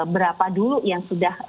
berapa dulu yang sudah